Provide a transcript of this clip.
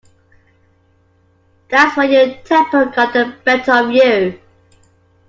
That's where your temper got the better of you.